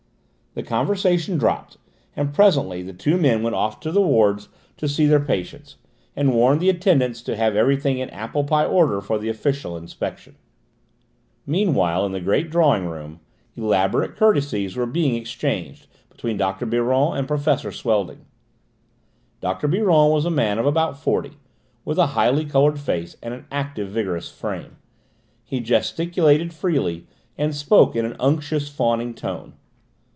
The conversation dropped, and presently the two men went off to their wards to see their patients, and warn the attendants to have everything in apple pie order for the official inspection. Meantime, in the great drawing room, elaborate courtesies were being exchanged between Dr. Biron and Professor Swelding. Dr. Biron was a man of about forty, with a high coloured face and an active, vigorous frame. He gesticulated freely and spoke in an unctuous, fawning tone.